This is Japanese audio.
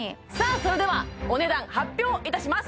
それではお値段発表いたします